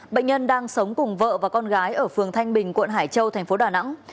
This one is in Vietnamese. bệnh nhân đang sống cùng vợ và con gái ở phường thanh bình quận hải châu thành phố đà nẵng